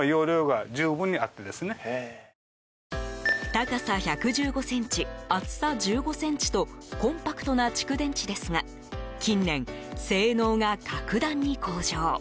高さ１１５ｃｍ厚さ１５ｃｍとコンパクトな蓄電池ですが近年、性能が格段に向上。